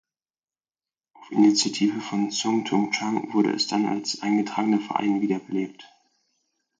Auf Initiative von Tsung-Tung Chang wurde es dann als eingetragener Verein wiederbelebt.